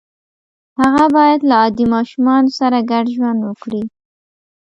هغه باید له عادي ماشومانو سره ګډ ژوند وکړي